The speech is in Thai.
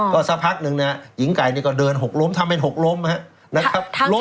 ก็สักพักหนึ่งนะครับหญิงไก่นี่ก็เดินหกล้มทำเป็น๖ล้มนะครับ